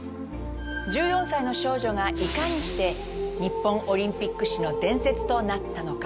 １４歳の少女がいかにして日本オリンピック史の伝説となったのか。